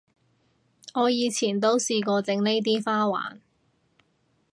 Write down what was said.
我以前都試過整呢啲花環